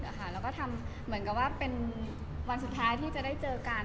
รูปเต็มไปเหมือนว่าวันสุดท้ายที่จะได้เจอกัน